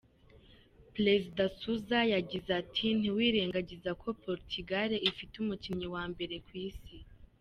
Perezida Sousa yagize ati "Ntiwirengagize ko Portugal ifite umukinnyi wa mbere ku isi”.